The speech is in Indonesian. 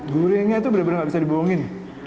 gurinya itu bener bener nggak bisa dibohongin